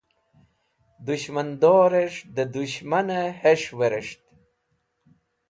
Dũshmandorẽs̃h dẽ dũshmanẽ hes̃h werẽs̃ht.